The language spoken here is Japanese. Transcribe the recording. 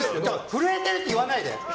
震えているって言わないで！